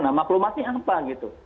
nah maklumatnya apa gitu